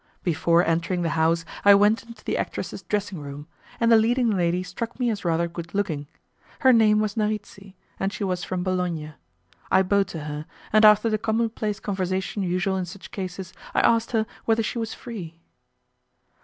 Before entering the house I went into the actresses dressing room, and the leading lady struck me as rather good looking. Her name was Narici, and she was from Bologna. I bowed to her, and after the common place conversation usual in such cases, I asked her whether she was free.